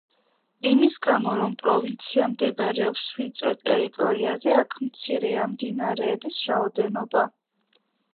იმის გამო, რომ პროვინცია მდებარეობს ვიწრო ტერიტორიაზე აქ მცირეა მდინარეების რაოდენობა.